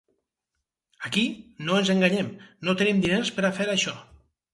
Aquí, no ens enganyem, no tenim diners per a fer això.